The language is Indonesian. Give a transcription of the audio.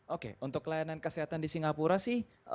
oke untuk layanan kesehatan di singapura sih